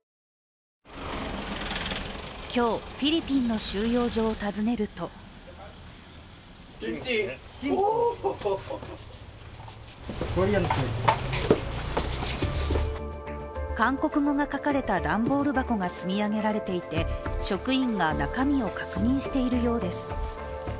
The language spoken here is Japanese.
今日、フィリピンの収容所を訪ねると韓国語が書かれた段ボール箱が積み上げられていて職員が中身を確認しているようです。